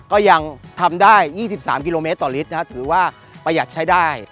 ก็ยังทำได้๒๓กิโลเมตรต่อลิตรถือว่าประหยัดใช้ได้